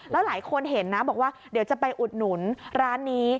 แล้วหลายคนเห็นนะบอกว่าเดี๋ยวจะไปอุดหนุนร้านนี้